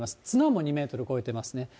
津南も２メートル超えてますね。